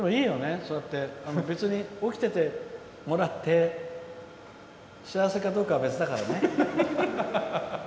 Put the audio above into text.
そうやって別に起きててもらって幸せかどうかは別だからね。